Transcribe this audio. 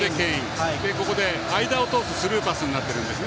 ここで間を通すスルーパスになっているんですね。